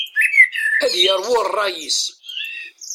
Ad yerwu rray-is.